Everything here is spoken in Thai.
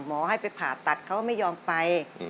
หมอให้ไปผ่าตัดเขาไม่ยอมไป